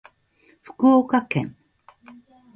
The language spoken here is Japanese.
福岡県